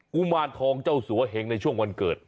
กุมารทองเจ้าสัวเหงในช่วงวันเกิด